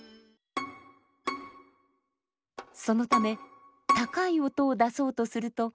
そのため高い音を出そうとすると。